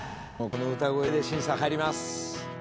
もうこの歌声だけで審査入ります。